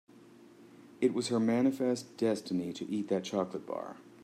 It was her manifest destiny to eat that chocolate bar.